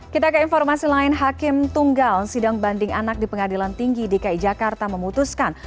kita ke informasi lain hakim tunggal sidang banding anak di pengadilan tinggi dki jakarta memutuskan